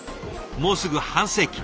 もうすぐ半世紀。